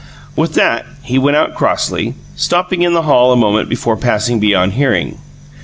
With that, he went out crossly, stopping in the hall a moment before passing beyond hearing.